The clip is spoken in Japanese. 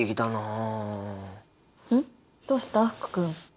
どうした福君？